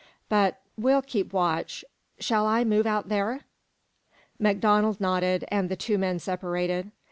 But we'll keep watch. Shall I move out there?" MacDonald nodded, and the two men separated.